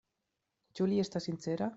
Ĉu li estas sincera?